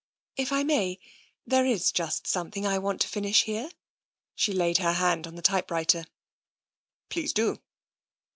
If I may, there is just something I want to finish here." She laid her hand on the typewriter. " Please do.''